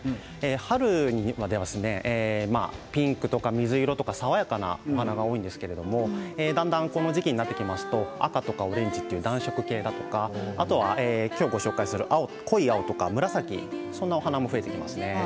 春はピンクとか水色とか爽やかなお花が多いんですけれどだんだんこの時期になってきますと赤とかオレンジという暖色系だとか今日ご紹介する濃い青とか紫そんなお花も増えてきます。